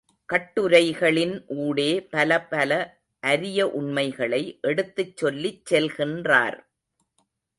கட்டுரைகளின் ஊடே பலபல அரிய உண்மைகளை எடுத்துச் சொல்லிச் செல்கின்றார்.